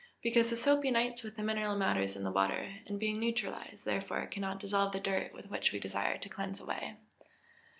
_ Because the soap unites with the mineral matters in the water, and being neutralised thereby, cannot dissolve the dirt which we desire to cleanse away.